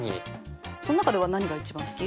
そん中では何が一番好き？